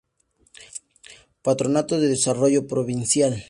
Patronato de Desarrollo Provincial.